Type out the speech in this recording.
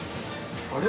あれ？